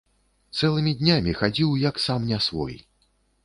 Цэлымі днямі хадзіў як сам не свой.